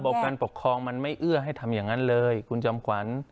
การปกครองมันไม่เอื้อให้ทำอย่างนั้นเลยคุณจอมขวัญ